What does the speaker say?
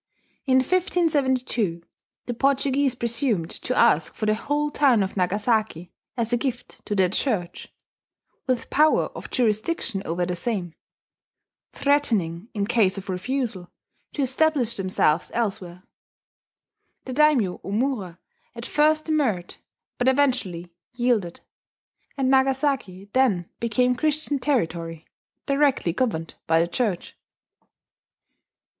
In 1572 the Portuguese presumed to ask for the whole town of Nagasaki, as a gift to their church, with power of jurisdiction over the same; threatening, in case of refusal, to establish themselves elsewhere. The daimyo, Omura, at first demurred, but eventually yielded; and Nagasaki then became Christian territory, directly governed by the Church.